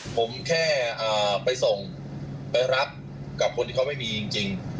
ผมแค่ไปส่งไปรับกับคนที่เขาไม่มีจริง